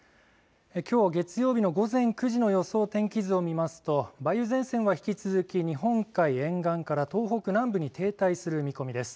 きょう月曜日の午前９時の予想天気図を見ますと梅雨前線は引き続き日本海沿岸から東北南部に停滞する見込みです。